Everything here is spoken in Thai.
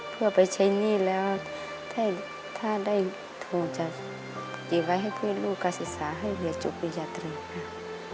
เพื่อไปใช้หนี้แล้วถ้าได้ทุนจะอยู่ไว้ให้เพื่อนลูกก็ศึกษาให้เหลือจุบิจัดเลยนะ